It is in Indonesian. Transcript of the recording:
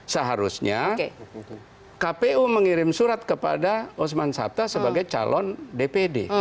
seharusnya kpu mengirim surat kepada osman sabta sebagai calon dpd